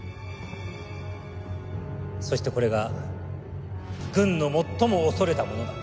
そしてこれが軍の最も恐れたものだ